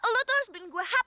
lo tuh harus beri gue hp